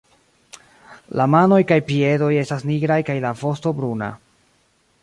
La manoj kaj piedoj estas nigraj kaj la vosto bruna.